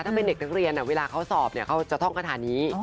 ถ้าเป็นเด็กนักเรียนเวลาเขาสอบเขาจะท่องคาถานี้